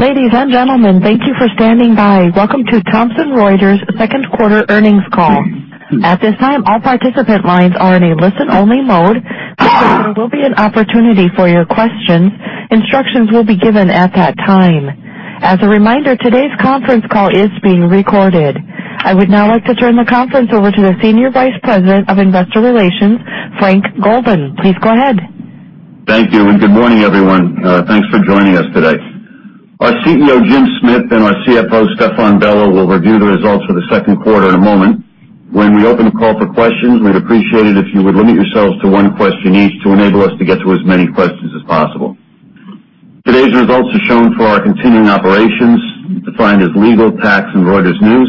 Ladies and gentlemen, thank you for standing by. Welcome to Thomson Reuters' Second Quarter Earnings Call. At this time, all participant lines are in a listen-only mode. There will be an opportunity for your questions. Instructions will be given at that time. As a reminder, today's conference call is being recorded. I would now like to turn the conference over to the Senior Vice President of Investor Relations, Frank Golden. Please go ahead. Thank you, and good morning, everyone. Thanks for joining us today. Our CEO, Jim Smith, and our CFO, Stéphane Bello, will review the results for the second quarter in a moment. When we open the call for questions, we'd appreciate it if you would limit yourselves to one question each to enable us to get to as many questions as possible. Today's results are shown for our continuing operations, defined as Legal, Tax, and Reuters News,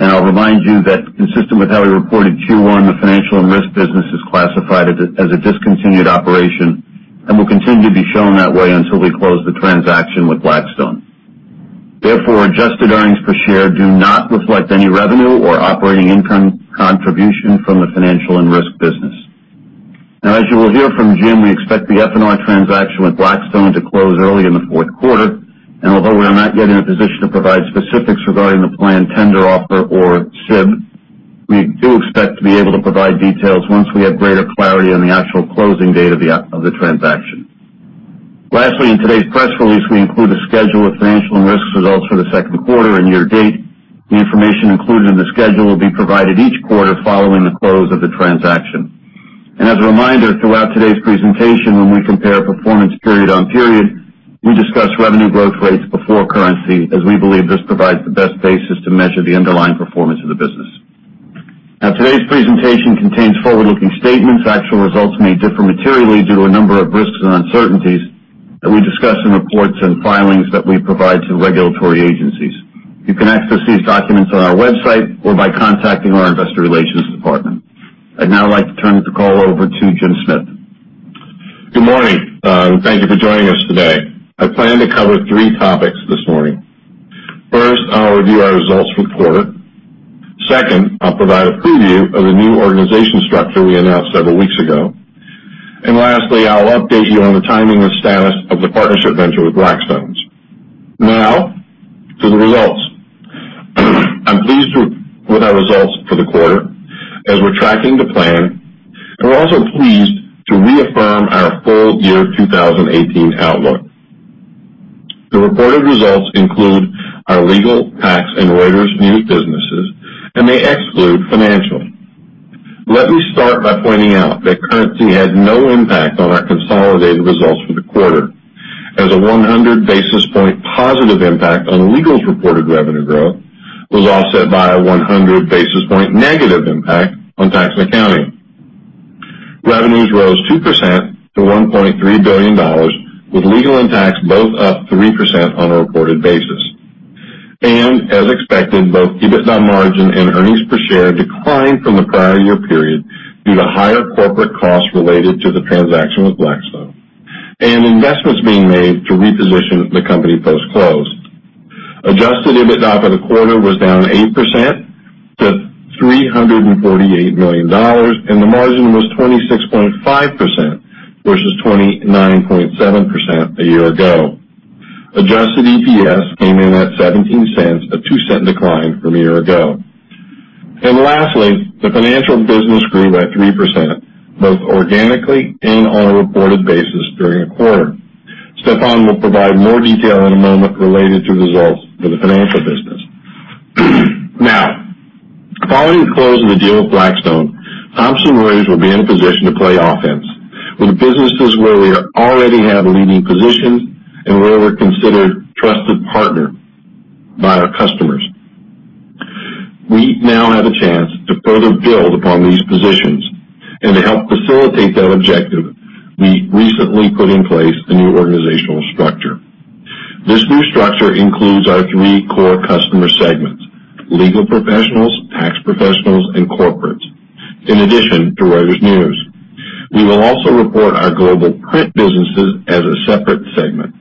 and I'll remind you that, consistent with how we reported Q1, the Financial and Risk business is classified as a discontinued operation and will continue to be shown that way until we close the transaction with Blackstone. Therefore, adjusted earnings per share do not reflect any revenue or operating income contribution from the Financial and Risk business. Now, as you will hear from Jim, we expect the F&R transaction with Blackstone to close early in the fourth quarter. And although we are not yet in a position to provide specifics regarding the planned tender offer or SIB, we do expect to be able to provide details once we have greater clarity on the actual closing date of the transaction. Lastly, in today's press release, we include a schedule of Financial and Risk results for the second quarter and year-to-date. The information included in the schedule will be provided each quarter following the close of the transaction. And as a reminder, throughout today's presentation, when we compare performance period on period, we discuss revenue growth rates before currency, as we believe this provides the best basis to measure the underlying performance of the business. Now, today's presentation contains forward-looking statements. Actual results may differ materially due to a number of risks and uncertainties that we discuss in reports and filings that we provide to regulatory agencies. You can access these documents on our website or by contacting our investor relations department. I'd now like to turn the call over to Jim Smith. Good morning. Thank you for joining us today. I plan to cover three topics this morning. First, I'll review our results for the quarter. Second, I'll provide a preview of the new organization structure we announced several weeks ago, and lastly, I'll update you on the timing and status of the partnership venture with Blackstone. Now, to the results. I'm pleased with our results for the quarter, as we're tracking the plan, and we're also pleased to reaffirm our full year 2018 outlook. The reported results include our legal, tax, and Reuters News businesses, and they exclude financial. Let me start by pointing out that currency had no impact on our consolidated results for the quarter, as a 100 basis point positive impact on legal's reported revenue growth was offset by a 100 basis point negative impact on Tax & Accounting. Revenues rose 2% to $1.3 billion, with legal and tax both up 3% on a reported basis. As expected, both EBITDA margin and earnings per share declined from the prior year period due to higher corporate costs related to the transaction with Blackstone and investments being made to reposition the company post-close. Adjusted EBITDA for the quarter was down 8% to $348 million, and the margin was 26.5% versus 29.7% a year ago. Adjusted EPS came in at $0.17, a $0.02 decline from a year ago, and lastly, the Financial Business grew by 3%, both organically and on a reported basis during the quarter. Stéphane will provide more detail in a moment related to results for the Financial Business. Now, following the close of the deal with Blackstone, Thomson Reuters will be in a position to play offense with businesses where we already have leading positions and where we're considered a trusted partner by our customers. We now have a chance to further build upon these positions, and to help facilitate that objective, we recently put in place a new organizational structure. This new structure includes our three core customer segments: Legal Professionals, Tax Professionals, and Corporates, in addition to Reuters News. We will also report our Global Print businesses as a separate segment,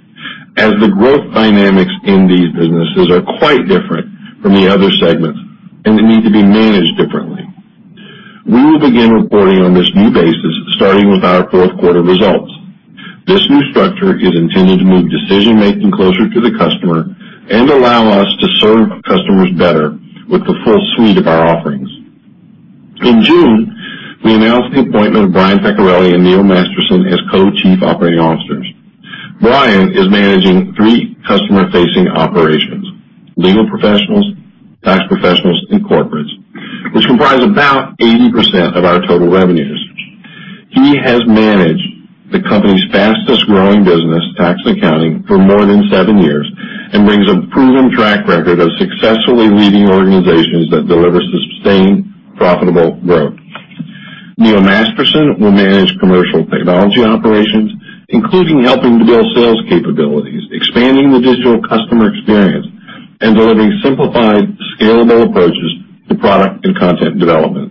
as the growth dynamics in these businesses are quite different from the other segments and need to be managed differently. We will begin reporting on this new basis, starting with our fourth quarter results. This new structure is intended to move decision-making closer to the customer and allow us to serve customers better with the full suite of our offerings. In June, we announced the appointment of Brian Peccarelli and Neil Masterson as co-Chief Operating Officers. Brian is managing three customer-facing operations: Legal Professionals, Tax Professionals, and Corporates, which comprise about 80% of our total revenues. He has managed the company's fastest-growing business, Tax & Accounting, for more than seven years and brings a proven track record of successfully leading organizations that deliver sustained, profitable growth. Neil Masterson will manage commercial technology operations, including helping to build sales capabilities, expanding the digital customer experience, and delivering simplified, scalable approaches to product and content development.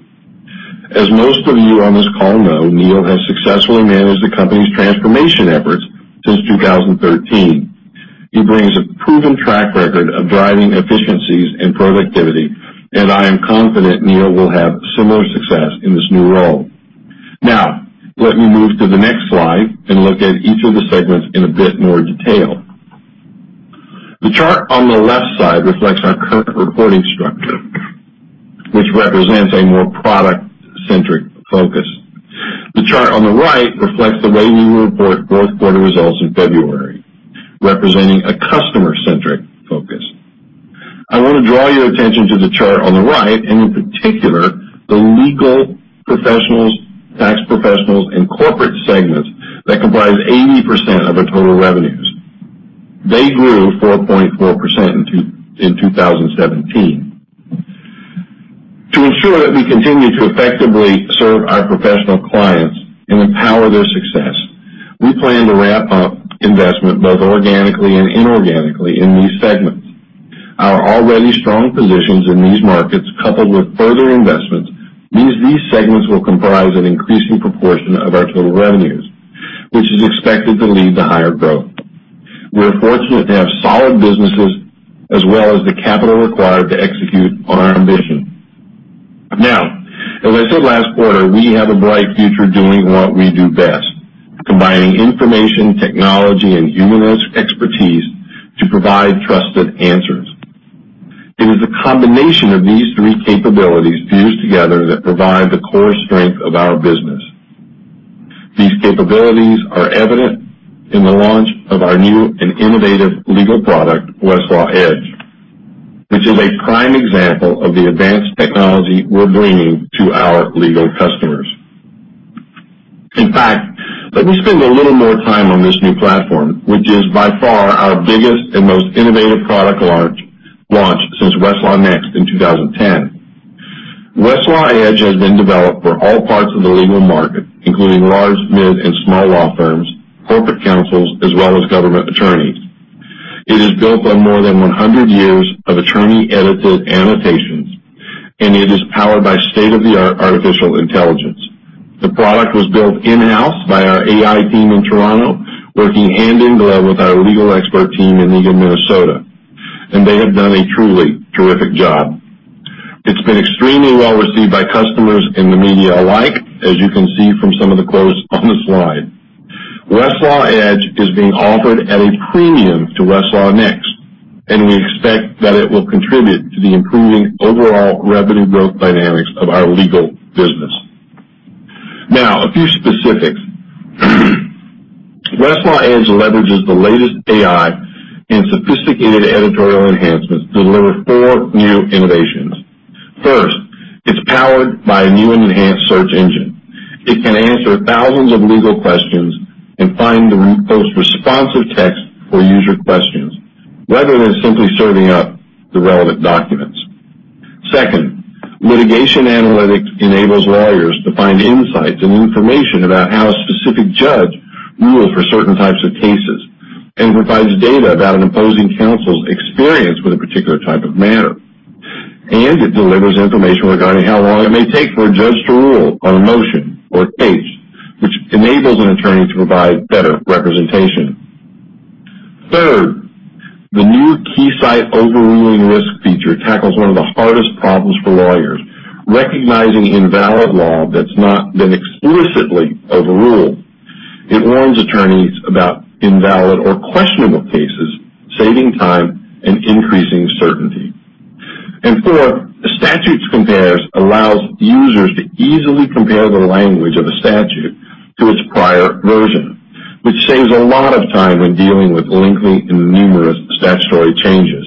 As most of you on this call know, Neil has successfully managed the company's transformation efforts since 2013. He brings a proven track record of driving efficiencies and productivity, and I am confident Neil will have similar success in this new role. Now, let me move to the next slide and look at each of the segments in a bit more detail. The chart on the left side reflects our current reporting structure, which represents a more product-centric focus. The chart on the right reflects the way we report fourth quarter results in February, representing a customer-centric focus. I want to draw your attention to the chart on the right and, in particular, the Legal Professionals, Tax Professionals, and corporate segments that comprise 80% of our total revenues. They grew 4.4% in 2017. To ensure that we continue to effectively serve our professional clients and empower their success, we plan to ramp up investment both organically and inorganically in these segments. Our already strong positions in these markets, coupled with further investment, means these segments will comprise an increasing proportion of our total revenues, which is expected to lead to higher growth. We're fortunate to have solid businesses as well as the capital required to execute our ambition. Now, as I said last quarter, we have a bright future doing what we do best, combining information, technology, and human expertise to provide trusted answers. It is the combination of these three capabilities fused together that provide the core strength of our business. These capabilities are evident in the launch of our new and innovative legal product, Westlaw Edge, which is a prime example of the advanced technology we're bringing to our legal customers. In fact, let me spend a little more time on this new platform, which is by far our biggest and most innovative product launch since Westlaw Next in 2010. Westlaw Edge has been developed for all parts of the legal market, including large, mid, and small law firms, corporate counsels, as well as government attorneys. It is built on more than 100 years of attorney-edited annotations, and it is powered by state-of-the-art artificial intelligence. The product was built in-house by our AI team in Toronto, working hand in glove with our legal expert team in Eagan, Minnesota, and they have done a truly terrific job. It's been extremely well received by customers and the media alike, as you can see from some of the quotes on the slide. Westlaw Edge is being offered at a premium to WestlawNext, and we expect that it will contribute to the improving overall revenue growth dynamics of our legal business. Now, a few specifics. Westlaw Edge leverages the latest AI and sophisticated editorial enhancements to deliver four new innovations. First, it's powered by a new and enhanced search engine. It can answer thousands of legal questions and find the most responsive text for user questions, rather than simply serving up the relevant documents. Second, litigation analytics enables lawyers to find insights and information about how a specific judge rules for certain types of cases and provides data about an opposing counsel's experience with a particular type of matter, and it delivers information regarding how long it may take for a judge to rule on a motion or a case, which enables an attorney to provide better representation. Third, the new KeyCite Overruling Risk feature tackles one of the hardest problems for lawyers: recognizing invalid law that's not been explicitly overruled. It warns attorneys about invalid or questionable cases, saving time and increasing certainty. Fourth, the Statutes Compare allows users to easily compare the language of a statute to its prior version, which saves a lot of time when dealing with lengthy and numerous statutory changes.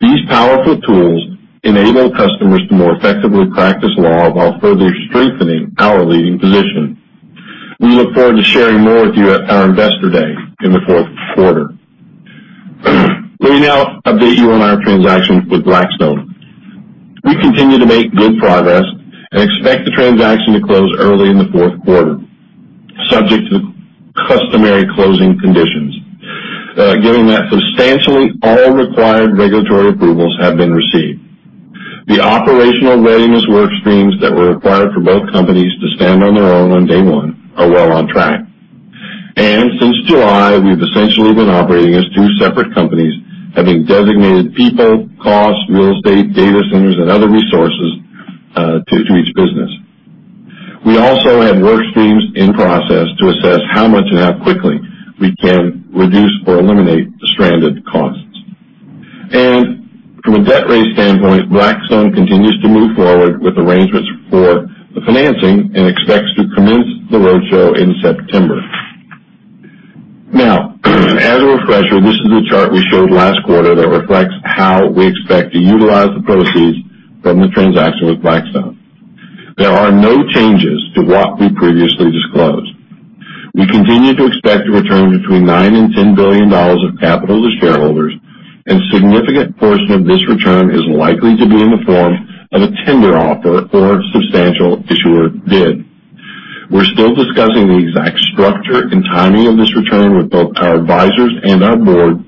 These powerful tools enable customers to more effectively practice law while further strengthening our leading position. We look forward to sharing more with you at our Investor Day in the fourth quarter. Let me now update you on our transaction with Blackstone. We continue to make good progress and expect the transaction to close early in the fourth quarter, subject to customary closing conditions, given that substantially all required regulatory approvals have been received. The operational readiness workstreams that were required for both companies to stand on their own on day one are well on track, and since July, we've essentially been operating as two separate companies, having designated people, costs, real estate, data centers, and other resources, to each business. We also have workstreams in process to assess how much and how quickly we can reduce or eliminate the stranded costs, and from a debt-raise standpoint, Blackstone continues to move forward with arrangements for the financing and expects to commence the roadshow in September. Now, as a refresher, this is the chart we showed last quarter that reflects how we expect to utilize the proceeds from the transaction with Blackstone. There are no changes to what we previously disclosed. We continue to expect a return between $9-$10 billion of capital to shareholders, and a significant portion of this return is likely to be in the form of a tender offer or substantial issuer bid. We're still discussing the exact structure and timing of this return with both our advisors and our board,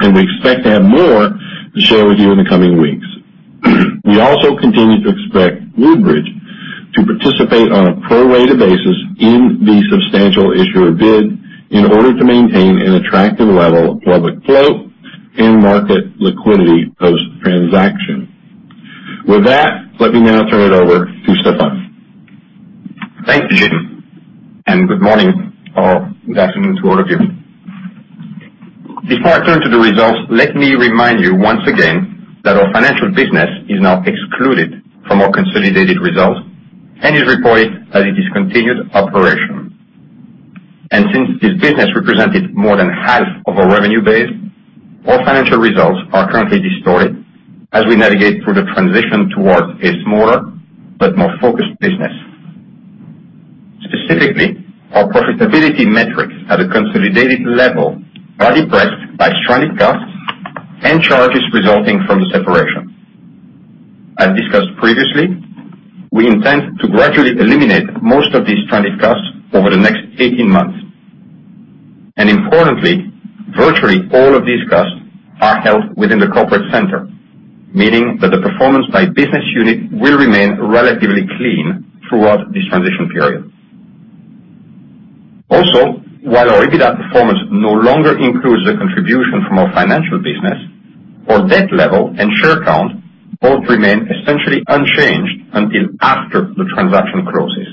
and we expect to have more to share with you in the coming weeks. We also continue to expect Woodbridge to participate on a prorated basis in the substantial issuer bid in order to maintain an attractive level of public float and market liquidity post-transaction. With that, let me now turn it over to Stéphane. Thank you, Jim. Good morning or good afternoon to all of you. Before I turn to the results, let me remind you once again that our Financial Business is now excluded from our consolidated results and is reported as a discontinued operation. Since this business represented more than half of our revenue base, all financial results are currently distorted as we navigate through the transition towards a smaller but more focused business. Specifically, our profitability metrics at a consolidated level are depressed by stranded costs and charges resulting from the separation. As discussed previously, we intend to gradually eliminate most of these stranded costs over the next 18 months. Importantly, virtually all of these costs are held within the corporate center, meaning that the performance by business unit will remain relatively clean throughout this transition period. Also, while our EBITDA performance no longer includes the contribution from our Financial Business, our debt level and share count both remain essentially unchanged until after the transaction closes,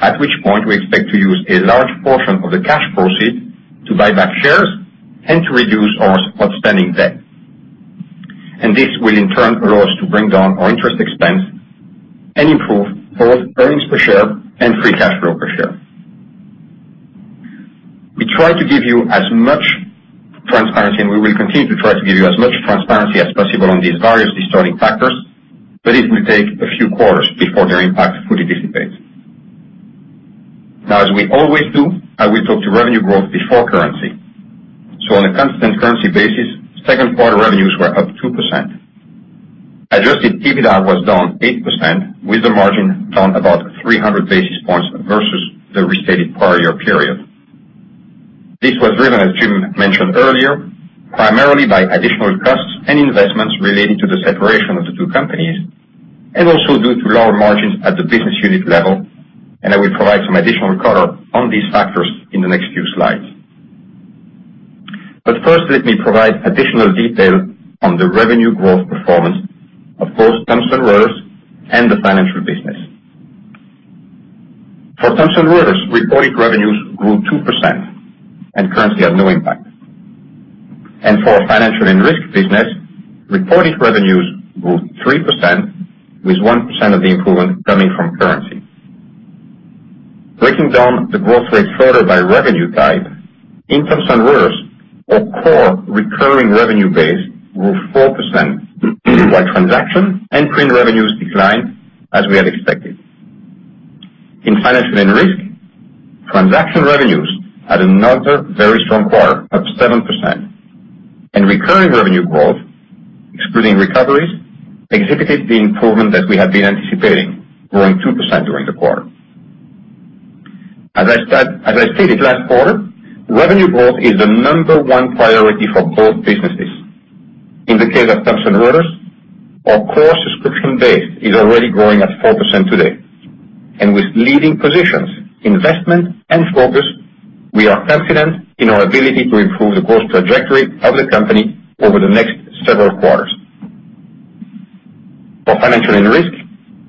at which point we expect to use a large portion of the cash proceeds to buy back shares and to reduce our outstanding debt. And this will, in turn, allow us to bring down our interest expense and improve both earnings per share and free cash flow per share. We try to give you as much transparency, and we will continue to try to give you as much transparency as possible on these various distorting factors, but it will take a few quarters before their impact fully dissipates. Now, as we always do, I will talk to revenue growth before currency. So on a constant currency basis, second quarter revenues were up 2%. Adjusted EBITDA was down 8%, with the margin down about 300 basis points versus the restated prior year period. This was driven, as Jim mentioned earlier, primarily by additional costs and investments related to the separation of the two companies and also due to lower margins at the business unit level. And I will provide some additional color on these factors in the next few slides. But first, let me provide additional detail on the revenue growth performance of both Thomson Reuters and the Financial Business. For Thomson Reuters, reported revenues grew 2% and currency had no impact. And for our Financial and Risk business, reported revenues grew 3%, with 1% of the improvement coming from currency. Breaking down the growth rate further by revenue type, in Thomson Reuters, our core recurring revenue base grew 4%, while transaction and print revenues declined as we had expected. In Financial and Risk, transaction revenues had another very strong quarter, up 7%, and recurring revenue growth, excluding recoveries, exhibited the improvement that we had been anticipating, growing 2% during the quarter. As I stated last quarter, revenue growth is the number one priority for both businesses. In the case of Thomson Reuters, our core subscription base is already growing at 4% today, and with leading positions, investment, and focus, we are confident in our ability to improve the growth trajectory of the company over the next several quarters. For Financial and Risk,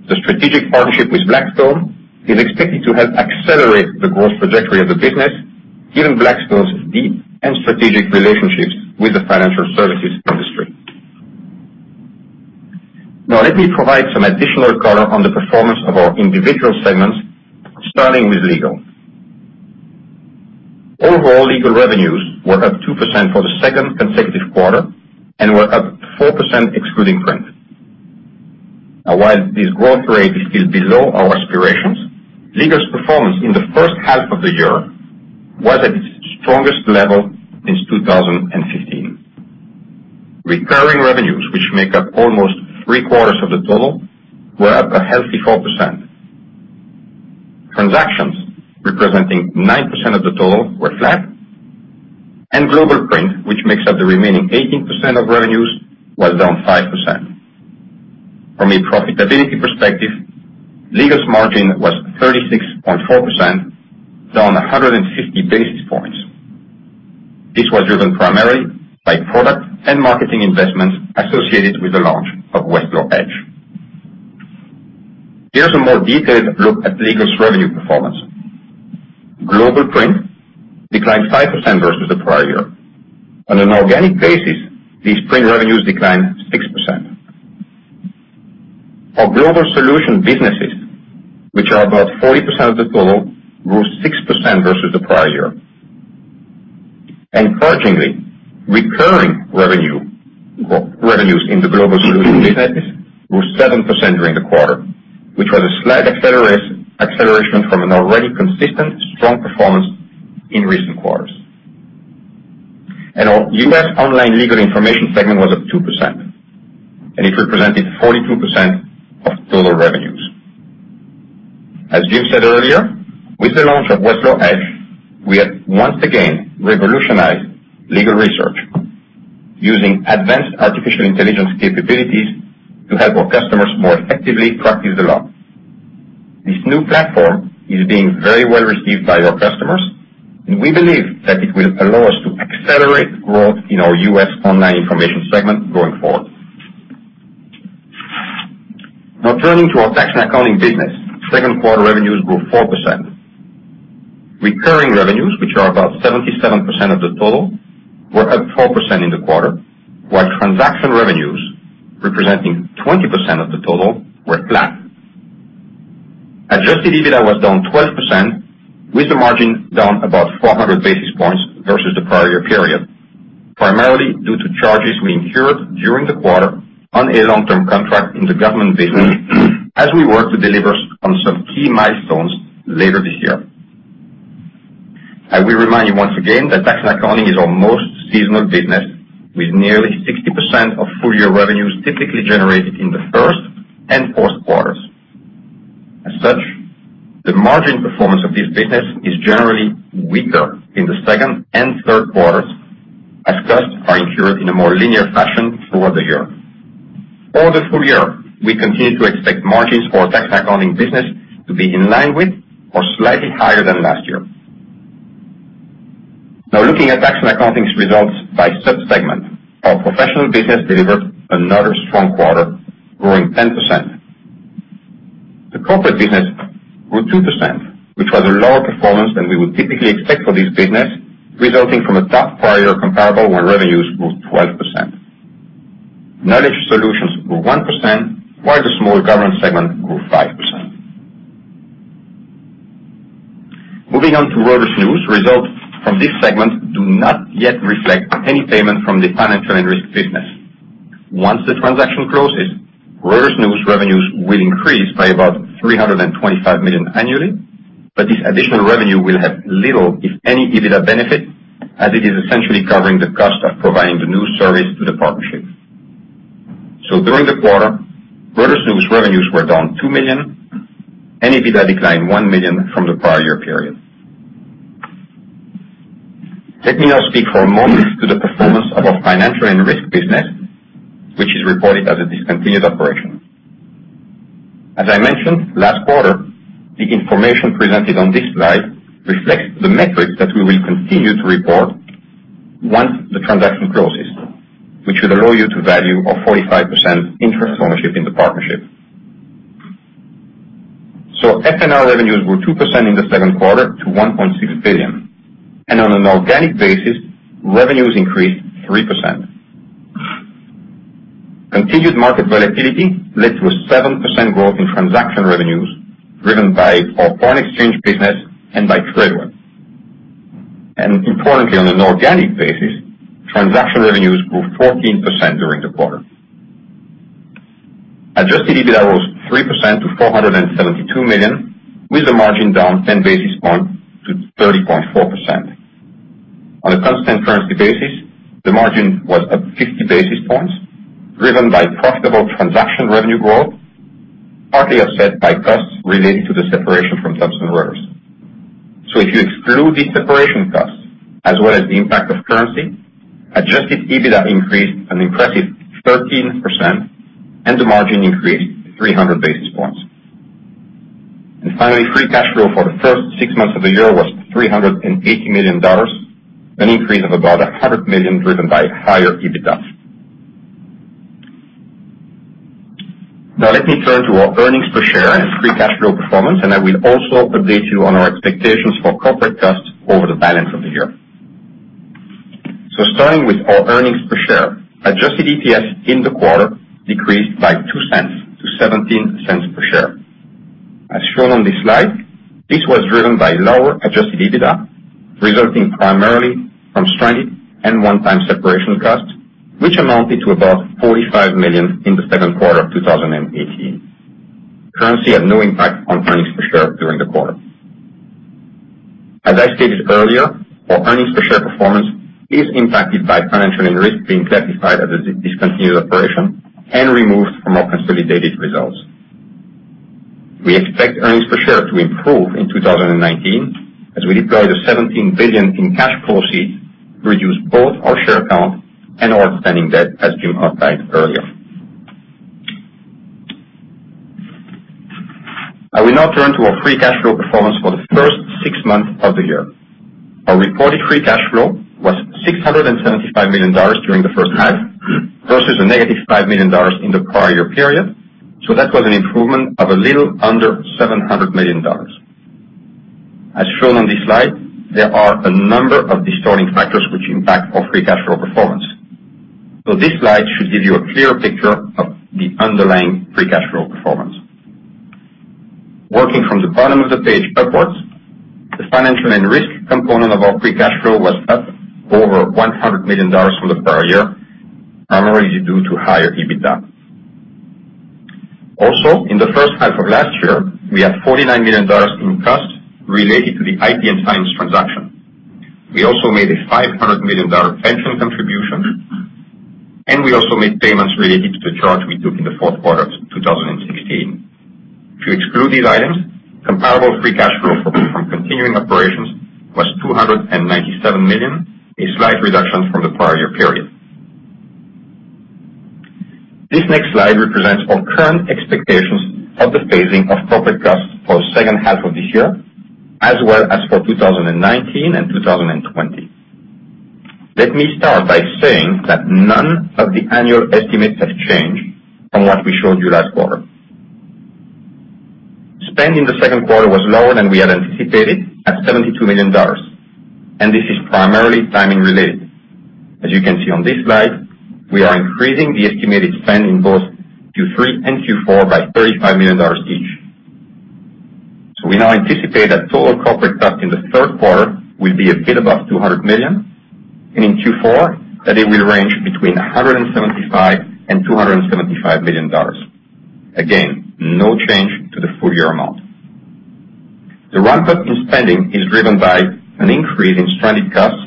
the strategic partnership with Blackstone is expected to help accelerate the growth trajectory of the business, given Blackstone's deep and strategic relationships with the financial services industry. Now, let me provide some additional color on the performance of our individual segments, starting with legal. Overall, legal revenues were up 2% for the second consecutive quarter and were up 4%, excluding print. Now, while this growth rate is still below our aspirations, legal's performance in the first half of the year was at its strongest level since 2015. Recurring revenues, which make up almost three-quarters of the total, were up a healthy 4%. Transactions, representing 9% of the total, were flat. And Global Print, which makes up the remaining 18% of revenues, was down 5%. From a profitability perspective, legal's margin was 36.4%, down 150 basis points. This was driven primarily by product and marketing investments associated with the launch of Westlaw Edge. Here's a more detailed look at legal's revenue performance. Global Print declined 5% versus the prior year. On an organic basis, these print revenues declined 6%. Our global solution businesses, which are about 40% of the total, grew 6% versus the prior year, and encouragingly, recurring revenues in the global solution businesses grew 7% during the quarter, which was a slight acceleration from an already consistent, strong performance in recent quarters, and our U.S. Online Legal Information segment was up 2%, and it represented 42% of total revenues. As Jim said earlier, with the launch of Westlaw Edge, we have once again revolutionized legal research, using advanced artificial intelligence capabilities to help our customers more effectively practice the law. This new platform is being very well received by our customers, and we believe that it will allow us to accelerate growth in our U.S. Online Information segment going forward. Now, turning to our Tax & Accounting business, second quarter revenues grew 4%. Recurring revenues, which are about 77% of the total, were up 4% in the quarter, while transaction revenues, representing 20% of the total, were flat. Adjusted EBITDA was down 12%, with the margin down about 400 basis points versus the prior year period, primarily due to charges we incurred during the quarter on a long-term contract in the Government business as we worked to deliver on some key milestones later this year. I will remind you once again that Tax & Accounting is our most seasonal business, with nearly 60% of full-year revenues typically generated in the first and fourth quarters. As such, the margin performance of this business is generally weaker in the second and third quarters, as costs are incurred in a more linear fashion throughout the year. For the full year, we continue to expect margins for our Tax & Accounting business to be in line with or slightly higher than last year. Now, looking at Tax & Accounting results by subsegment, our Professional business delivered another strong quarter, growing 10%. The Corporate business grew 2%, which was a lower performance than we would typically expect for this business, resulting from a tough prior year comparable when revenues grew 12%. Knowledge Solutions grew 1%, while the small Government segment grew 5%. Moving on to Reuters News, results from this segment do not yet reflect any payment from the Financial and Risk business. Once the transaction closes, Reuters News revenues will increase by about $325 million annually, but this additional revenue will have little, if any, EBITDA benefit, as it is essentially covering the cost of providing the new service to the partnership. So during the quarter, Reuters News revenues were down $2 million, and EBITDA declined $1 million from the prior year period. Let me now speak for a moment to the performance of our Financial and Risk business, which is reported as a discontinued operation. As I mentioned last quarter, the information presented on this slide reflects the metrics that we will continue to report once the transaction closes, which will allow you to value a 45% interest ownership in the partnership. So F&R revenues grew 2% in the second quarter to $1.6 billion, and on an organic basis, revenues increased 3%. Continued market volatility led to a 7% growth in transaction revenues driven by our foreign exchange business and by trade work. And importantly, on an organic basis, transaction revenues grew 14% during the quarter. Adjusted EBITDA rose 3% to $472 million, with the margin down 10 basis points to 30.4%. On a constant currency basis, the margin was up 50 basis points, driven by profitable transaction revenue growth, partly offset by costs related to the separation from Thomson Reuters. So if you exclude the separation costs as well as the impact of currency, adjusted EBITDA increased an impressive 13%, and the margin increased 300 basis points. And finally, free cash flow for the first six months of the year was $380 million, an increase of about $100 million driven by higher EBITDA. Now, let me turn to our earnings per share and free cash flow performance, and I will also update you on our expectations for corporate costs over the balance of the year. So starting with our earnings per share, adjusted EPS in the quarter decreased by $0.02 to $0.17 per share. As shown on this slide, this was driven by lower Adjusted EBITDA, resulting primarily from stranded and one-time separation costs, which amounted to about $45 million in the second quarter of 2018. Currency had no impact on earnings per share during the quarter. As I stated earlier, our earnings per share performance is impacted by Financial and Risk being classified as a discontinued operation and removed from our consolidated results. We expect earnings per share to improve in 2019 as we deploy the $17 billion in cash proceeds to reduce both our share count and our outstanding debt, as Jim outlined earlier. I will now turn to our Free Cash Flow performance for the first six months of the year. Our reported free cash flow was $675 million during the first half versus a negative $5 million in the prior year period, so that was an improvement of a little under $700 million. As shown on this slide, there are a number of distorting factors which impact our free cash flow performance. So this slide should give you a clearer picture of the underlying free cash flow performance. Working from the bottom of the page upwards, the Financial and Risk component of our free cash flow was up over $100 million from the prior year, primarily due to higher EBITDA. Also, in the first half of last year, we had $49 million in costs related to the IP & Science transaction. We also made a $500 million pension contribution, and we also made payments related to the charge we took in the fourth quarter of 2016. To exclude these items, comparable free cash flow from continuing operations was $297 million, a slight reduction from the prior year period. This next slide represents our current expectations of the phasing of corporate costs for the second half of this year, as well as for 2019 and 2020. Let me start by saying that none of the annual estimates have changed from what we showed you last quarter. Spend in the second quarter was lower than we had anticipated at $72 million, and this is primarily timing-related. As you can see on this slide, we are increasing the estimated spend in both Q3 and Q4 by $35 million each. So we now anticipate that total corporate cost in the third quarter will be a bit above $200 million, and in Q4, that it will range between $175 and $275 million. Again, no change to the full-year amount. The ramp-up in spending is driven by an increase in stranded costs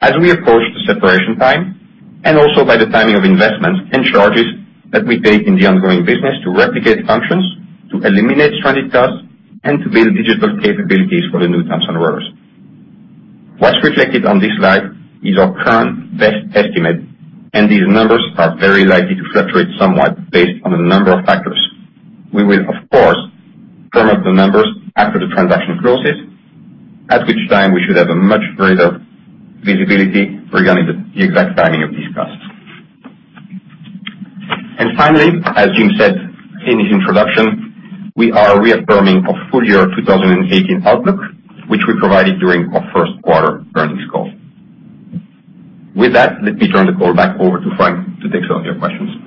as we approach the separation time, and also by the timing of investments and charges that we take in the ongoing business to replicate functions, to eliminate stranded costs, and to build digital capabilities for the new Thomson Reuters. What's reflected on this slide is our current best estimate, and these numbers are very likely to fluctuate somewhat based on a number of factors. We will, of course, firm up the numbers after the transaction closes, at which time we should have a much greater visibility regarding the exact timing of these costs. And finally, as Jim said in his introduction, we are reaffirming our full-year 2018 outlook, which we provided during our first quarter earnings call. With that, let me turn the call back over to Frank to take some of your questions.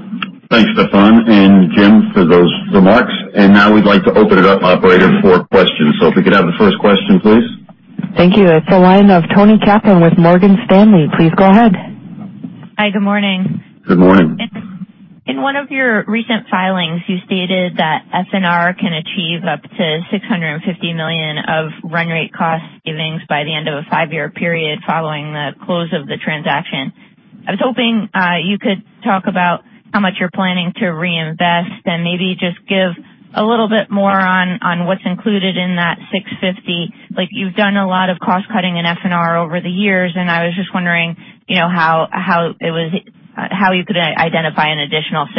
Thanks, Stéphane and Jim, for those remarks. And now we'd like to open it up, Operator, for questions. So if we could have the first question, please. Thank you. It's a line of Toni Kaplan with Morgan Stanley. Please go ahead. Hi, good morning. Good morning. In one of your recent filings, you stated that F&R can achieve up to $650 million of run rate cost savings by the end of a five-year period following the close of the transaction. I was hoping you could talk about how much you're planning to reinvest and maybe just give a little bit more on what's included in that $650. You've done a lot of cost-cutting in F&R over the years, and I was just wondering how you could identify an additional $650.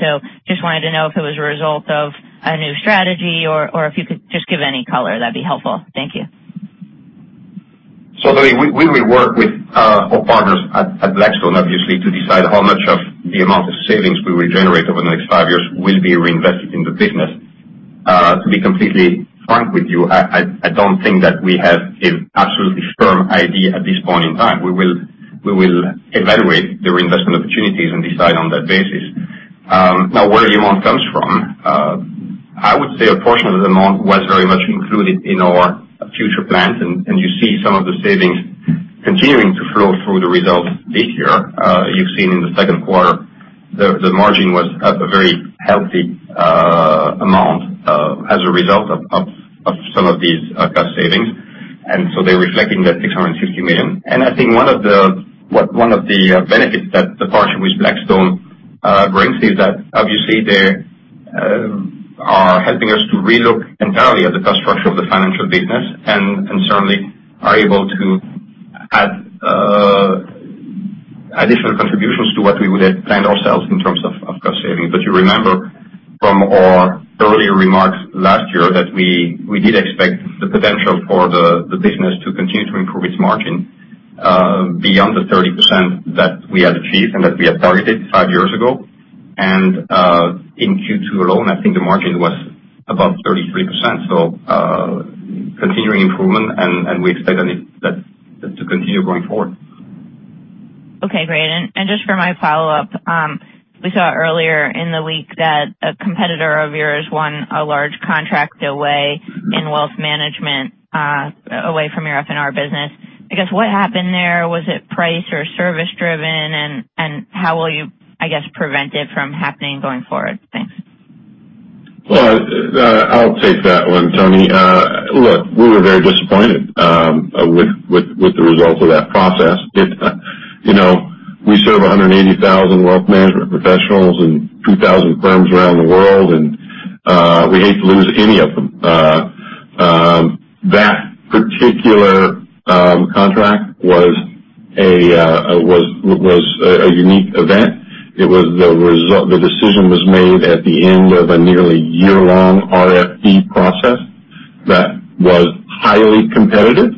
So just wanted to know if it was a result of a new strategy or if you could just give any color. That'd be helpful. Thank you. So we will work with our partners at Blackstone, obviously, to decide how much of the amount of savings we will generate over the next five years will be reinvested in the business. To be completely frank with you, I don't think that we have an absolutely firm idea at this point in time. We will evaluate the reinvestment opportunities and decide on that basis. Now, where the amount comes from, I would say a portion of the amount was very much included in our future plans, and you see some of the savings continuing to flow through the results this year. You've seen in the second quarter, the margin was a very healthy amount as a result of some of these cost savings, and so they're reflecting that $650 million. And one of the benefits that the partnership with Blackstone brings is that, obviously, they are helping us to relook entirely at the cost structure of the Financial Business and certainly are able to add additional contributions to what we would have planned ourselves in terms of cost savings. But you remember from our earlier remarks last year that we did expect the potential for the business to continue to improve its margin beyond the 30% that we had achieved and that we had targeted five years ago. And in Q2 alone, the margin was above 33%. So continuing improvement, and we expect that to continue going forward. Okay, great. And just for my follow-up, we saw earlier in the week that a competitor of yours won a large contract away in wealth management away from your F&R business. what happened there was it price or service-driven, and how will you, preventive from happening going forward? Thanks. I'll take that one, Toni. Look, we were very disappointed with the results of that process. We serve 180,000 wealth management professionals in 2,000 firms around the world, and we hate to lose any of them. That particular contract was a unique event. The decision was made at the end of a nearly year-long RFP process that was highly competitive,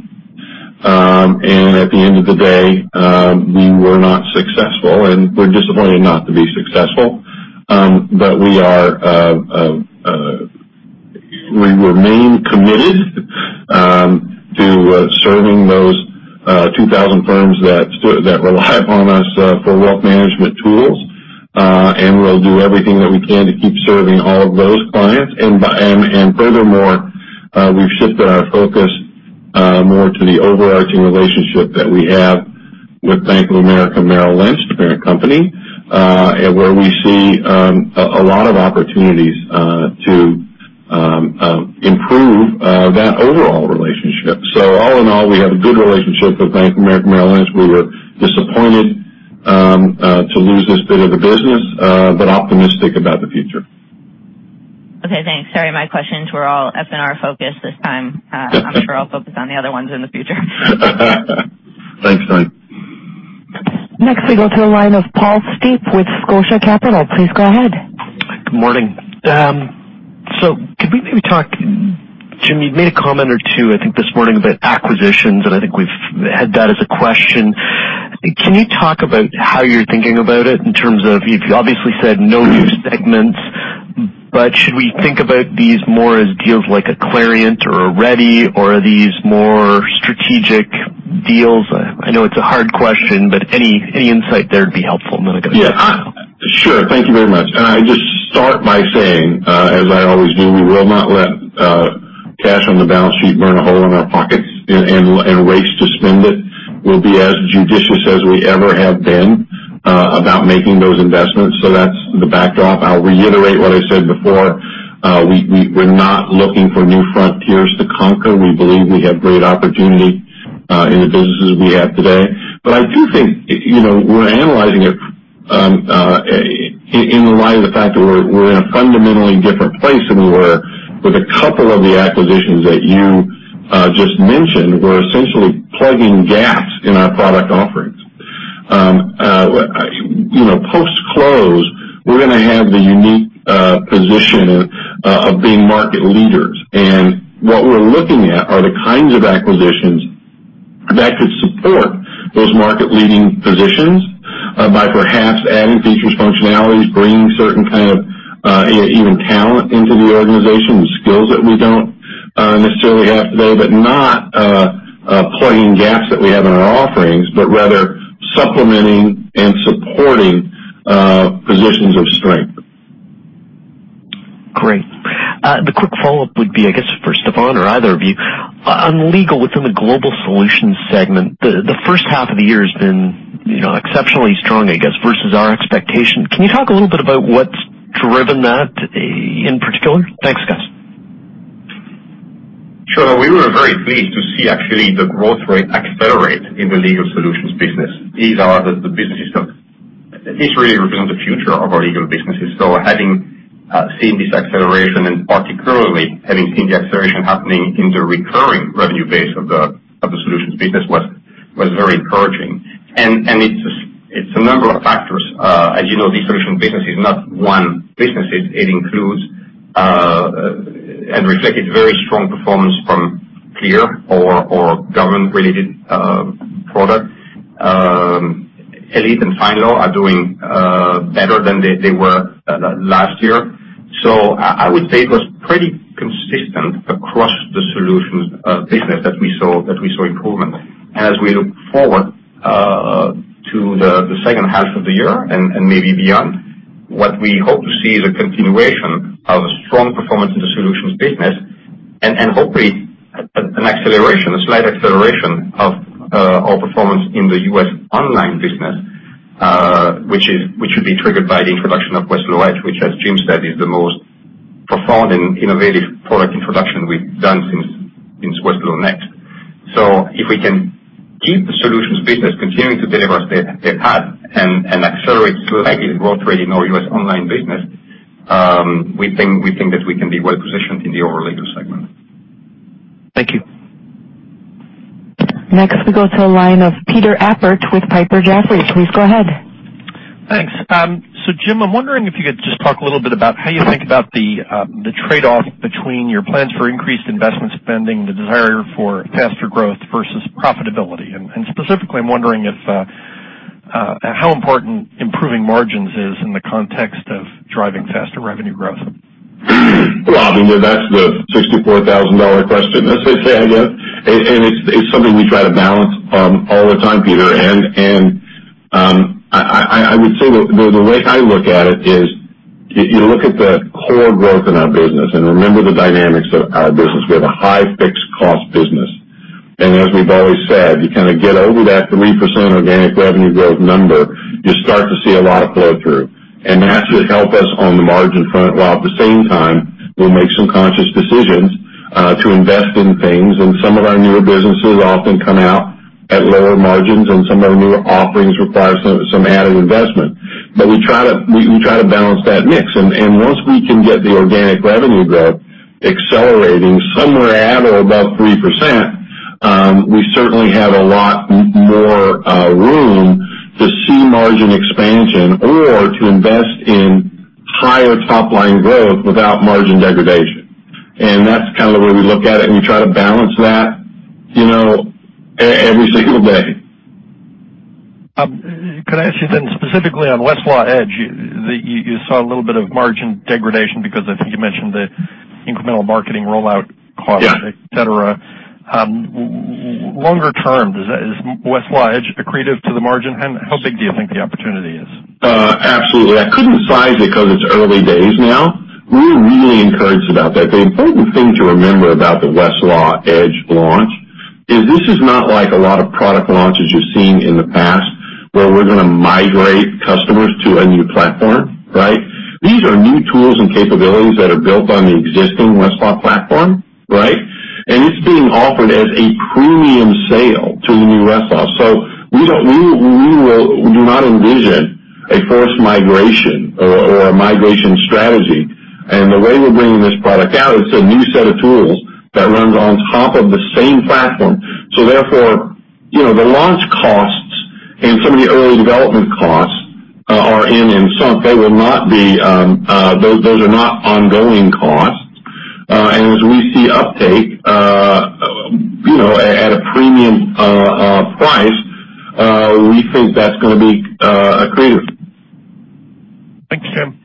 and at the end of the day, we were not successful, and we're disappointed not to be successful, but we remain committed to serving those 2,000 firms that rely upon us for wealth management tools, and we'll do everything that we can to keep serving all of those clients, and furthermore, we've shifted our focus more to the overarching relationship that we have with Bank of America Merrill Lynch, the parent company, where we see a lot of opportunities to improve that overall relationship. So all in all, we have a good relationship with Bank of America Merrill Lynch. We were disappointed to lose this bit of the business, but optimistic about the future. Okay, thanks. Sorry, my questions were all F&R-focused this time. I'm sure I'll focus on the other ones in the future. Thanks, Tony. Next, we go to a line of Paul Steep with Scotia Capital. Please go ahead. Good morning. So could we maybe talk, Jim, you made a comment or two this morning about acquisitions, and we've had that as a question. Can you talk about how you're thinking about it in terms of, you've obviously said no new segments, but should we think about these more as deals like a Clarient or a REDI, or are these more strategic deals? I know it's a hard question, but any insight there would be helpful, and then I'll go to you. Yeah, sure. Thank you very much. I just start by saying, as I always do, we will not let cash on the balance sheet burn a hole in our pockets and race to spend it. We'll be as judicious as we ever have been about making those investments. So that's the backdrop. I'll reiterate what I said before. We're not looking for new frontiers to conquer. We believe we have great opportunity in the businesses we have today. But I do think we're analyzing it in the light of the fact that we're in a fundamentally different place than we were with a couple of the acquisitions that you just mentioned were essentially plugging gaps in our product offerings. Post-close, we're going to have the unique position of being market leaders. What we're looking at are the kinds of acquisitions that could support those market-leading positions by perhaps adding features, functionalities, bringing certain even talent into the organization, skills that we don't necessarily have today, but not plugging gaps that we have in our offerings, but rather supplementing and supporting positions of strength. Great. The quick follow-up would be for Stéphane or either of you. On Legal within the global solutions segment, the first half of the year has been exceptionally strong, versus our expectation. Can you talk a little bit about what's driven that in particular? Thanks, guys. Sure. We were very pleased to see, actually, the growth rate accelerate in the legal solutions business. These are the businesses that this really represents the future of our legal businesses. So having seen this acceleration and particularly having seen the acceleration happening in the recurring revenue base of the solutions business was very encouraging. And it's a number of factors. As you know, these solution businesses are not one business. It includes and reflected very strong performance from CLEAR, our government-related products. Elite and FindLaw are doing better than they were last year. So I would say it was pretty consistent across the solutions business that we saw improvement. As we look forward to the second half of the year and maybe beyond, what we hope to see is a continuation of strong performance in the solutions business and hopefully an acceleration, a slight acceleration of our performance in the US online business, which should be triggered by the introduction of Westlaw Edge, which, as Jim said, is the most profound and innovative product introduction we've done since WestlawNext, so if we can keep the solutions business continuing to deliver as they have and accelerate slightly the growth rate in our US online business, we think that we can be well-positioned in the overall legal segment. Thank you. Next, we go to a line of Peter Appert with Piper Jaffray. Please go ahead. Thanks. So Jim, I'm wondering if you could just talk a little bit about how you think about the trade-off between your plans for increased investment spending, the desire for faster growth versus profitability? And specifically, I'm wondering how important improving margins is in the context of driving faster revenue growth? Well, I mean, that's the $64,000 question, as they say. And it's something we try to balance all the time, Peter. And I would say the way I look at it is you look at the core growth in our business and remember the dynamics of our business. We have a high fixed-cost business. And as we've always said, you get over that 3% organic revenue growth number, you start to see a lot of flow-through. And that should help us on the margin front while, at the same time, we'll make some conscious decisions to invest in things. And some of our newer businesses often come out at lower margins, and some of our newer offerings require some added investment. But we try to balance that mix. Once we can get the organic revenue growth accelerating somewhere at or above 3%, we certainly have a lot more room to see margin expansion or to invest in higher top-line growth without margin degradation. That's the way we look at it, and we try to balance that every single day. Can I ask you then specifically on Westlaw Edge, you saw a little bit of margin degradation because you mentioned the incremental marketing rollout cost, etc. Longer term, is Westlaw Edge accretive to the margin? How big do you think the opportunity is? Absolutely. I couldn't size it because it's early days now. We're really encouraged about that. The important thing to remember about the Westlaw Edge launch is this is not like a lot of product launches you've seen in the past where we're going to migrate customers to a new platform, right? These are new tools and capabilities that are built on the existing Westlaw platform, right? And it's being offered as a premium sale to the new Westlaw. So we do not envision a forced migration or a migration strategy. And the way we're bringing this product out, it's a new set of tools that runs on top of the same platform. So therefore, the launch costs and some of the early development costs are in and sunk. They will not be. Those are not ongoing costs. As we see uptake at a premium price, we think that's going to be accretive. Thanks, Jim.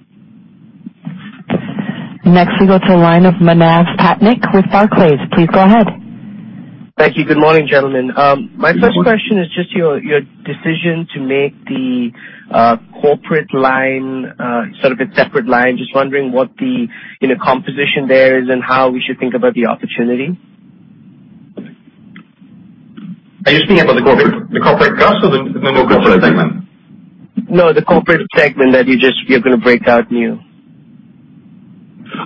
Next, we go to a line of Manav Patnaik with Barclays. Please go ahead. Thank you. Good morning, gentlemen. My first question is just your decision to make the corporate line a separate line. Just wondering what the composition there is and how we should think about the opportunity. Are you speaking about the corporate customer or the corporate segment? No, the corporate segment that you're going to break out new.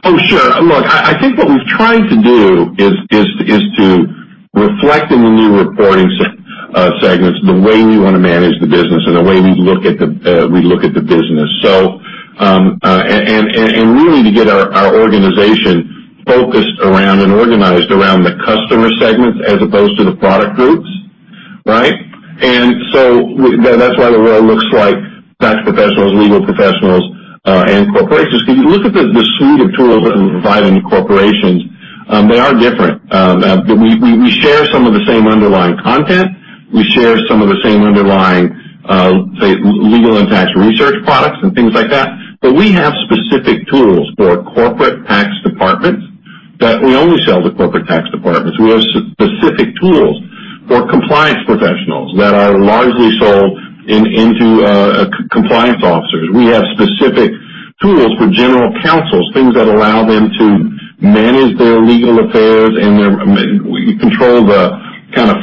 Oh, sure. Look, what we've tried to do is to reflect in the new reporting segments the way we want to manage the business and the way we look at the business, and really, to get our organization focused around and organized around the customer segments as opposed to the product groups, right, and so that's why the world looks like Tax Professionals, Legal Professionals, and corporations. Because you look at the suite of tools that we provide in corporations, they are different. We share some of the same underlying content. We share some of the same underlying, say, legal and tax research products and things like that. But we have specific tools for corporate tax departments that we only sell to corporate tax departments. We have specific tools for compliance professionals that are largely sold into compliance officers. We have specific tools for general counsels, things that allow them to manage their legal affairs and control the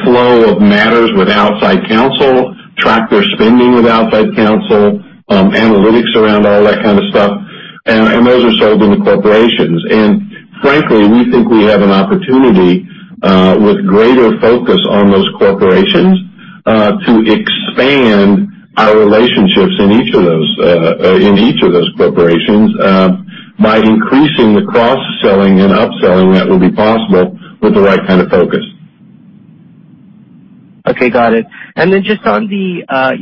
flow of matters with outside counsel, track their spending with outside counsel, analytics around all that stuff. And those are sold in the corporations. And frankly, we think we have an opportunity with greater focus on those corporations to expand our relationships in each of those corporations by increasing the cross-selling and upselling that will be possible with the right focus. Okay, got it. And then just on the $1-$3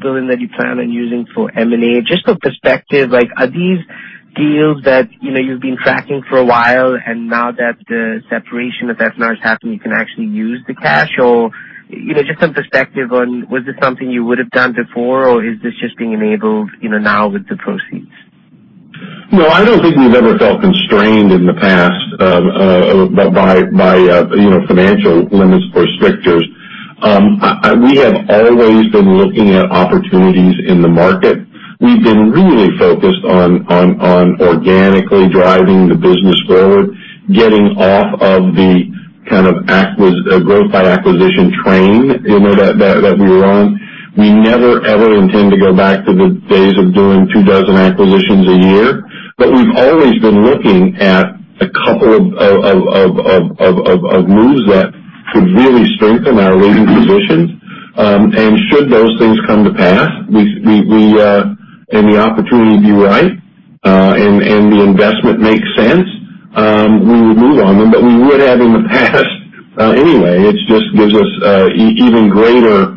billion that you plan on using for M&A, just for perspective, are these deals that you've been tracking for a while and now that the separation of F&R has happened, you can actually use the cash? Or just some perspective on, was this something you would have done before, or is this just being enabled now with the proceeds? No, I don't think we've ever felt constrained in the past by financial limits or restrictions. We have always been looking at opportunities in the market. We've been really focused on organically driving the business forward, getting off of the growth by acquisition train that we were on. We never, ever intend to go back to the days of doing two dozen acquisitions a year, but we've always been looking at a couple of moves that could really strengthen our legal positions. And should those things come to pass and the opportunity be right and the investment makes sense, we will move on them, but we would have in the past anyway. It just gives us even greater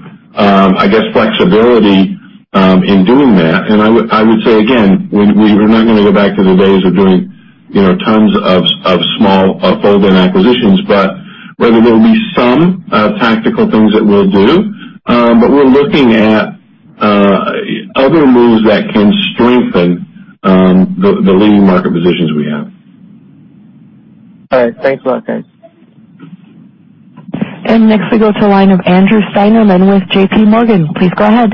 flexibility in doing that. I would say, again, we are not going to go back to the days of doing tons of small fold-in acquisitions, but rather, there will be some tactical things that we'll do. We're looking at other moves that can strengthen the leading market positions we have. All right. Thanks a lot, guys. Next, we go to a line of Andrew Steinerman with J.P. Morgan. Please go ahead.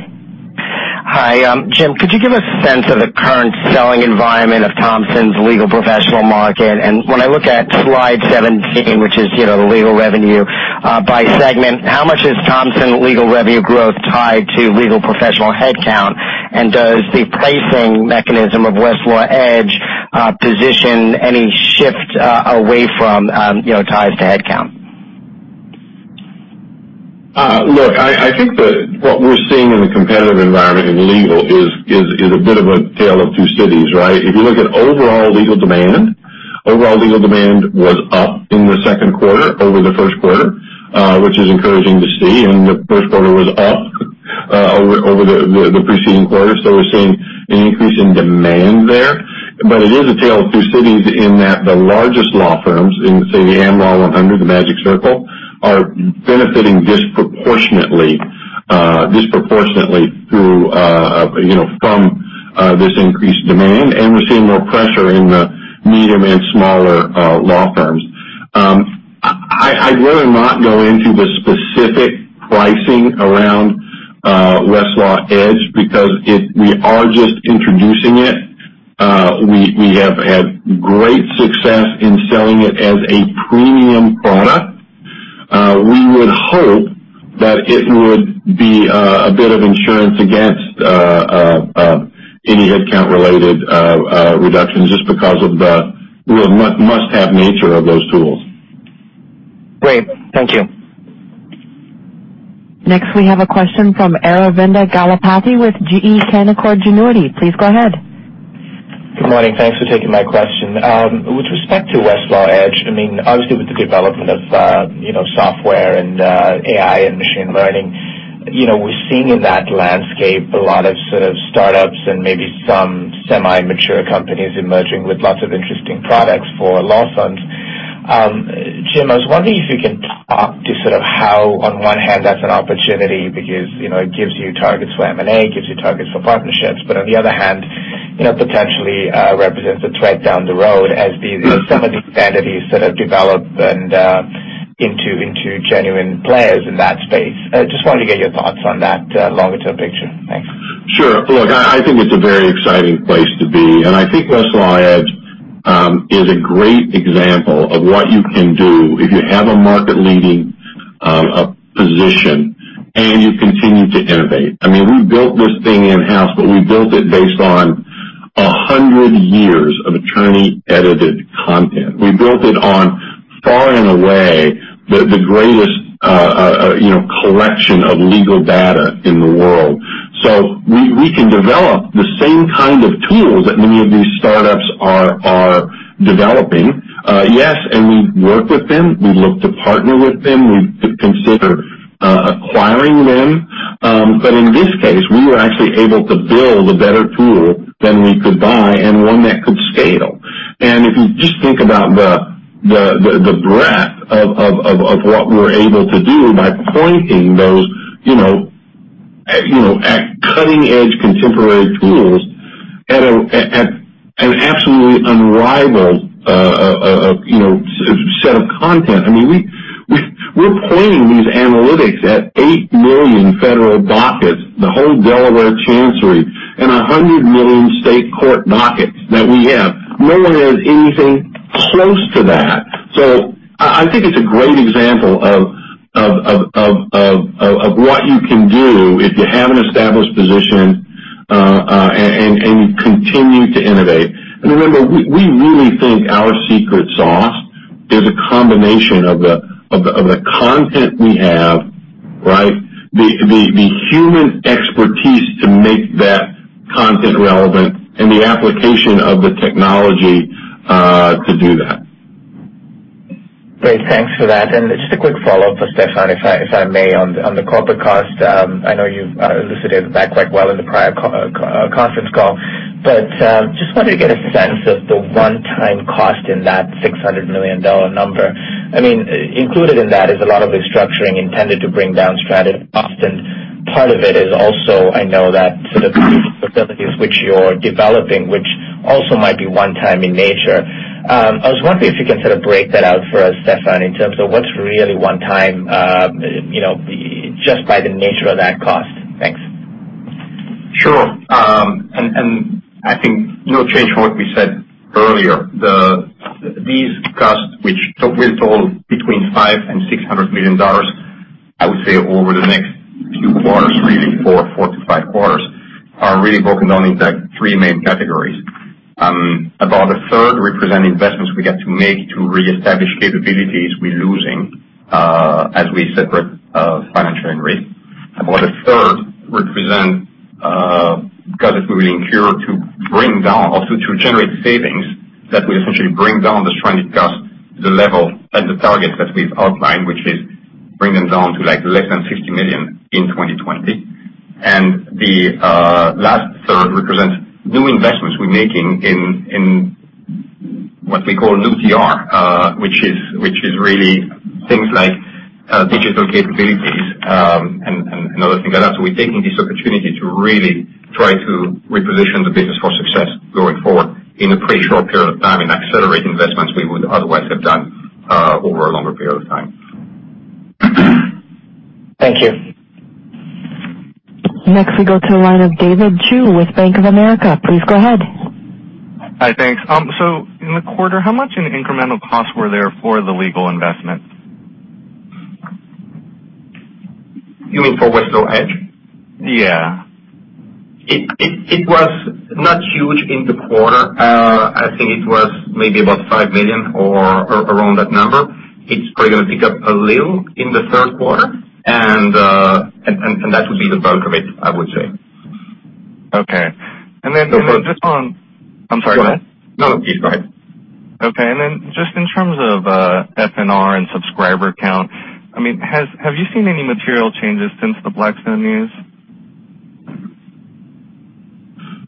Hi, Jim. Could you give a sense of the current selling environment of Thomson's Legal Professionals market? And when I look at slide 17, which is the legal revenue by segment, how much is Thomson Legal revenue growth tied to Legal Professionals headcount? And does the pricing mechanism of Westlaw Edge position any shift away from ties to headcount? Look, what we're seeing in the competitive environment in legal is a bit of a tale of two cities, right? If you look at overall legal demand, overall legal demand was up in the second quarter over the first quarter, which is encouraging to see. And the first quarter was up over the preceding quarter. So we're seeing an increase in demand there. But it is a tale of two cities in that the largest law firms, say, the Am Law 100, the Magic Circle, are benefiting disproportionately from this increased demand. And we're seeing more pressure in the medium and smaller law firms. I'd rather not go into the specific pricing around Westlaw Edge because we are just introducing it. We have had great success in selling it as a premium product. We would hope that it would be a bit of insurance against any headcount-related reductions just because of the must-have nature of those tools. Great. Thank you. Next, we have a question from Aravinda Galappatthige with Canaccord Genuity. Please go ahead. Good morning. Thanks for taking my question. With respect to Westlaw Edge, I mean, obviously, with the development of software and AI and machine learning, we're seeing in that landscape a lot of startups and maybe some semi-mature companies emerging with lots of interesting products for law firms. Jim, I was wondering if you can talk to how, on one hand, that's an opportunity because it gives you targets for M&A, gives you targets for partnerships, but on the other hand, potentially represents a threat down the road as some of these entities develop into genuine players in that space. I just wanted to get your thoughts on that longer-term picture. Thanks. Sure. Look, it's a very exciting place to be. And Westlaw Edge is a great example of what you can do if you have a market-leading position and you continue to innovate. I mean, we built this thing in-house, but we built it based on 100 years of attorney-edited content. We built it on, far and away, the greatest collection of legal data in the world. So we can develop the same tools that many of these startups are developing. Yes, and we work with them. We look to partner with them. We consider acquiring them. But in this case, we were actually able to build a better tool than we could buy and one that could scale. And if you just think about the breadth of what we're able to do by pointing those at cutting-edge contemporary tools at an absolutely unrivaled set of content. I mean, we're pointing these analytics at eight million federal dockets, the whole Delaware Chancery, and 100 million state court dockets that we have. No one has anything close to that. So It's a great example of what you can do if you have an established position and you continue to innovate. And remember, we really think our secret sauce is a combination of the content we have, right, the human expertise to make that content relevant, and the application of the technology to do that. Great. Thanks for that. And just a quick follow-up for Stéphane, if I may, on the corporate cost. I know you've elucidated that quite well in the prior conference call. But just wanted to get a sense of the one-time cost in that $600 million number. I mean, included in that is a lot of restructuring intended to bring down strategic cost. And part of it is also, I know, that capabilities which you're developing, which also might be one-time in nature. I was wondering if you can break that out for us, Stéphane, in terms of what's really one-time just by the nature of that cost. Thanks. Sure. And no change from what we said earlier. These costs, which will total between $500-$600 million over the next few quarters, really, four to five quarters, are really broken down into three main categories. About a third represent investments we get to make to reestablish capabilities we're losing as we separate Financial and Risk. About a third represent costs that we will incur to bring down or to generate savings that will essentially bring down the stranded costs to the level and the targets that we've outlined, which is bring them down to less than $50 million in 2020. And the last third represents new investments we're making in what we call New TR, which is really things like digital capabilities and other things like that. So we're taking this opportunity to really try to reposition the business for success going forward in a pretty short period of time and accelerate investments we would otherwise have done over a longer period of time. Thank you. Next, we go to a line of David Chau with Bank of America. Please go ahead. Hi, thanks. So in the quarter, how much incremental costs were there for the legal investment? You mean for Westlaw Edge? Yeah. It was not huge in the quarter. It was maybe about $5 million or around that number. It's probably going to pick up a little in the third quarter, and that would be the bulk of it, I would say. Okay. And then just on. I'm sorry. Go ahead. No, no. Please go ahead. Okay. And then just in terms of F&R and subscriber count, I mean, have you seen any material changes since the Blackstone news?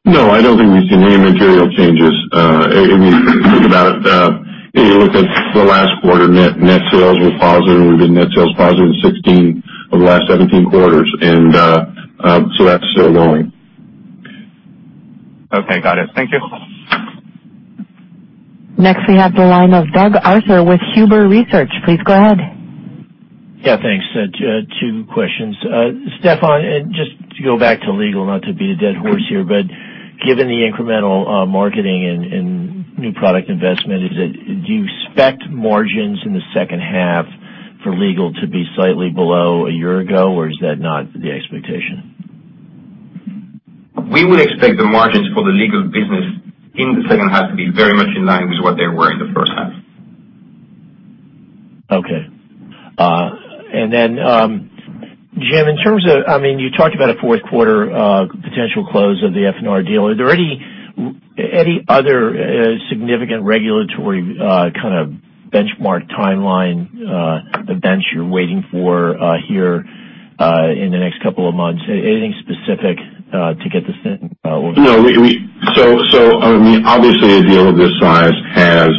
No, I don't think we've seen any material changes. If you think about it, you look at the last quarter, net sales were positive. We've been net sales positive in 16 of the last 17 quarters, and so that's still going. Okay. Got it. Thank you. Next, we have the line of Doug Arthur with Huber Research Partners. Please go ahead. Yeah, thanks. Two questions. Stéphane, just to go back to legal, not to be a dead horse here, but given the incremental marketing and new product investment, do you expect margins in the second half for legal to be slightly below a year ago, or is that not the expectation? We would expect the margins for the legal business in the second half to be very much in line with what they were in the first half. Okay. And then, Jim, in terms of, I mean, you talked about a fourth quarter potential close of the F&R deal. Are there any other significant regulatory benchmark timelines, the benchmarks you're waiting for here in the next couple of months? Anything specific to get this in? No. So I mean, obviously, a deal of this size has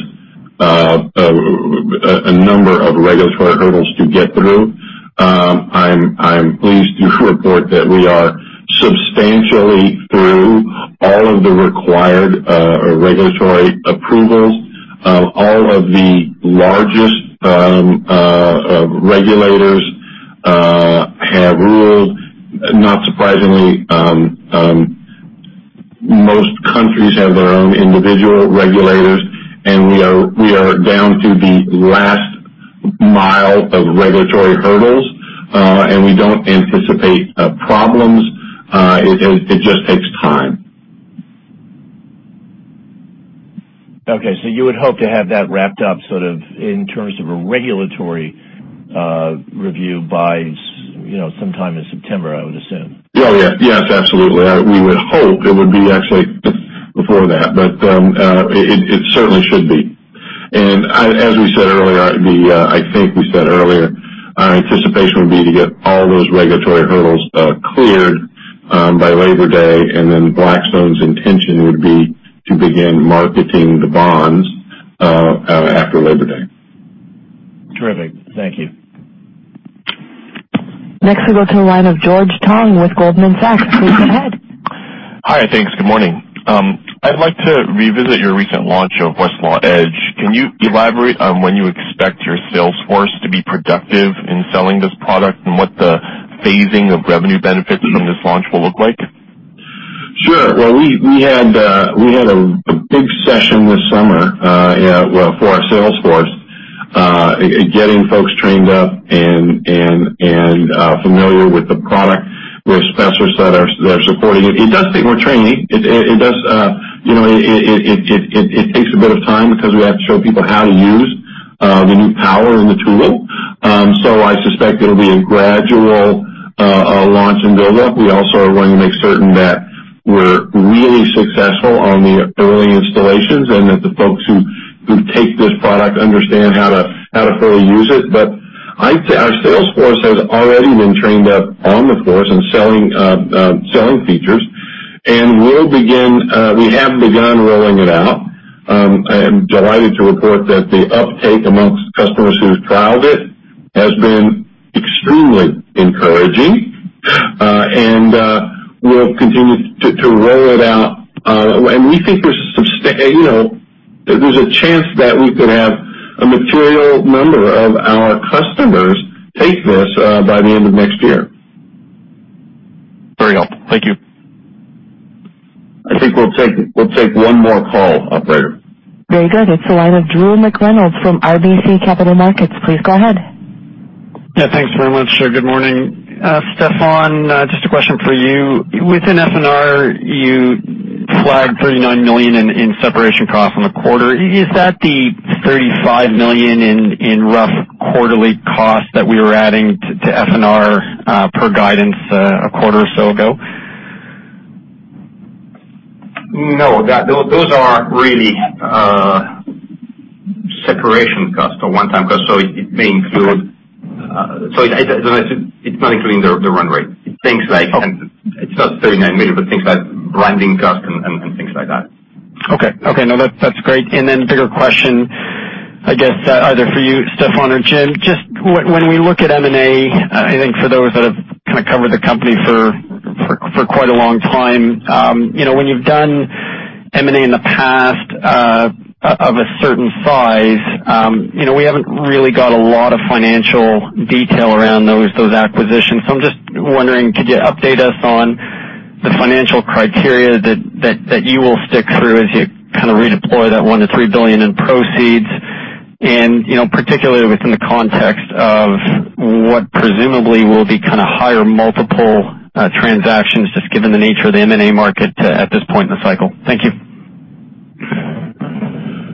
a number of regulatory hurdles to get through. I'm pleased to report that we are substantially through all of the required regulatory approvals. All of the largest regulators have ruled. Not surprisingly, most countries have their own individual regulators. And we are down to the last mile of regulatory hurdles. And we don't anticipate problems. It just takes time. Okay. So you would hope to have that wrapped up sort of in terms of a regulatory review by sometime in September, I would assume. Oh, yes. Yes, absolutely. We would hope it would be actually before that, but it certainly should be, and as we said earlier, we said earlier, our anticipation would be to get all those regulatory hurdles cleared by Labor Day, and then Blackstone's intention would be to begin marketing the bonds after Labor Day. Terrific. Thank you. Next, we go to a line of George Tong with Goldman Sachs. Please go ahead. Hi, thanks. Good morning. I'd like to revisit your recent launch of Westlaw Edge. Can you elaborate on when you expect your sales force to be productive in selling this product and what the phasing of revenue benefits from this launch will look like? Sure. Well, we had a big session this summer for our sales force, getting folks trained up and familiar with the product, where customers said they're supporting it. It does take more training. It does take a bit of time because we have to show people how to use the new power in the tool. So I suspect it'll be a gradual launch and build-up. We also are wanting to make certain that we're really successful on the early installations and that the folks who take this product understand how to fully use it. But our sales force has already been trained up on the platform and selling features. And we have begun rolling it out. I'm delighted to report that the uptake amongst customers who've trialed it has been extremely encouraging. And we'll continue to roll it out. We think there's a chance that we could have a material number of our customers take this by the end of next year. Very helpful. Thank you. We'll take one more call, Operator. Very good. It's the line of Drew McReynolds from RBC Capital Markets. Please go ahead. Yeah. Thanks very much. Good morning, Stéphane. Just a question for you. Within F&R, you flagged $39 million in separation costs on the quarter. Is that the $35 million in rough quarterly costs that we were adding to F&R per guidance a quarter or so ago? No. Those are really separation costs or one-time costs. So it may include. It's not including the run rate. It's not $39 million, but things like branding costs and things like that. Okay. Okay. No, that's great. And then a bigger question either for you, Stéphane or Jim, just when we look at M&A, for those that have covered the company for quite a long time, when you've done M&A in the past of a certain size, we haven't really got a lot of financial detail around those acquisitions. So I'm just wondering, could you update us on the financial criteria that you will stick to as you redeploy that $1-$3 billion in proceeds, and particularly within the context of what presumably will be higher multiple transactions, just given the nature of the M&A market at this point in the cycle? Thank you.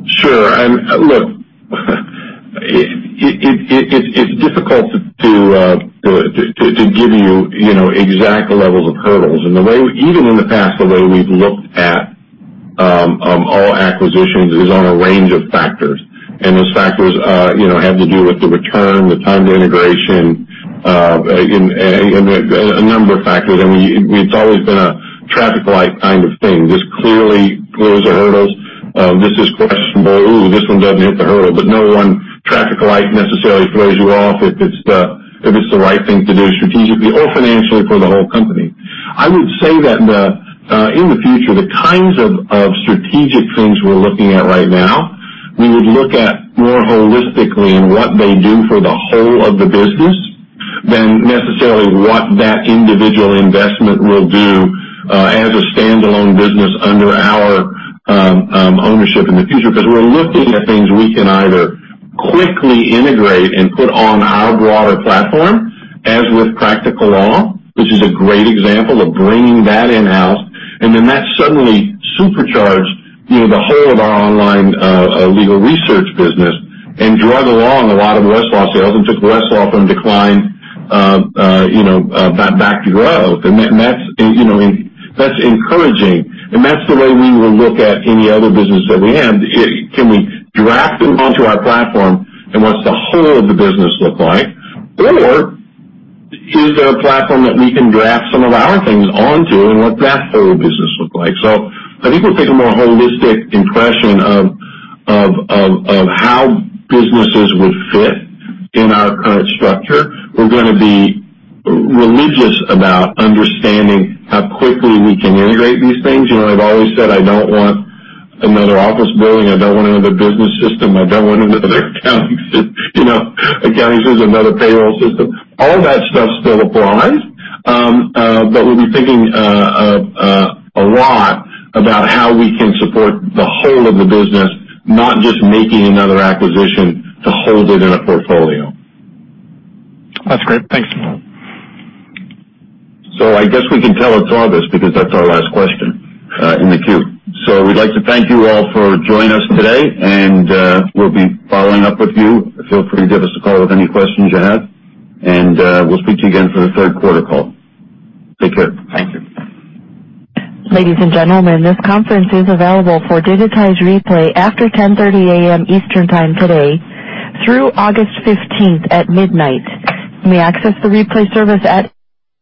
Sure. And look, it's difficult to give you exact levels of hurdles. And even in the past, the way we've looked at all acquisitions is on a range of factors. And those factors have to do with the return, the time to integration, and a number of factors. I mean, it's always been a traffic light thing. This clearly throws a hurdle. This is questionable. Ooh, this one doesn't hit the hurdle. But no one traffic light necessarily throws you off if it's the right thing to do strategically or financially for the whole company. I would say that in the future, the kinds of strategic things we're looking at right now, we would look at more holistically in what they do for the whole of the business than necessarily what that individual investment will do as a standalone business under our ownership in the future. Because we're looking at things we can either quickly integrate and put on our broader platform, as with Practical Law, which is a great example of bringing that in-house. And then that suddenly supercharged the whole of our online legal research business and dragged along a lot of Westlaw sales and took Westlaw from decline back to growth. And that's encouraging. And that's the way we will look at any other business that we have. Can we graft them onto our platform, and what's the whole of the business look like? Or is there a platform that we can graft some of our things onto and what's that whole business look like? So we'll take a more holistic impression of how businesses would fit in our current structure. We're going to be religious about understanding how quickly we can integrate these things. I've always said, "I don't want another office building. I don't want another business system. I don't want another accounting system. An accounting system, another payroll system." All that stuff still applies. But we'll be thinking a lot about how we can support the whole of the business, not just making another acquisition to hold it in a portfolio. That's great. Thanks. So we can tell it's August because that's our last question in the queue. So we'd like to thank you all for joining us today. And we'll be following up with you. Feel free to give us a call with any questions you have. And we'll speak to you again for the third quarter call. Take care. Ladies and gentlemen, this conference is available for digitized replay after 10:30 A.M. Eastern Time today through August 15th at midnight. You may access the replay service at.